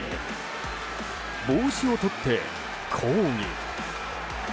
帽子を取って、抗議。